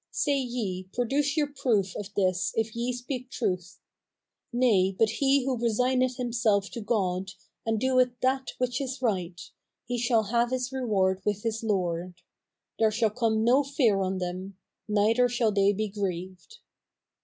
Say ye, Produce your proof of this if ye speak truth. Nay, but he who resigneth himself to 72 THE NEW REPUBLIC [bk. ii Godj and doeth that which is right, he shall have his reward with his Lord ; there shall come no fear on them, neither shall they be grieved.'